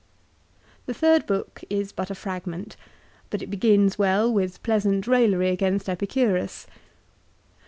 1 The third book is but a fragment, but it begins well with pleasant raillery against Epicurus.